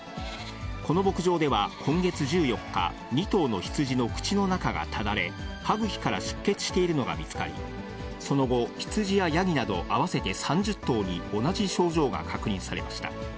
この牧場では、今月１４日、２頭のヒツジの口の中がただれ、歯ぐきから出血しているのが見つかり、その後、ヒツジやヤギなど、合わせて３０頭に同じ症状が確認されました。